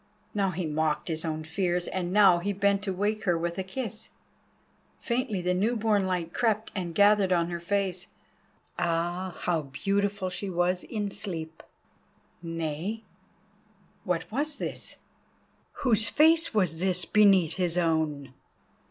Now he mocked his own fears, and now he bent to wake her with a kiss. Faintly the new born light crept and gathered on her face; ah! how beautiful she was in sleep. Nay, what was this? Whose face was this beneath his own?